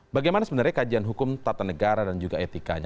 bagaimana sebenarnya kajian hukum tata negara dan juga etikanya